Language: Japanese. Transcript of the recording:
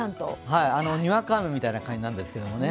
にわか雨みたいな感じなんですけどね。